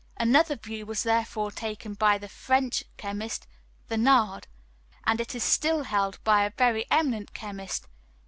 Another view was therefore taken by the French chemist, Thenard, and it is still held by a very eminent chemist, M.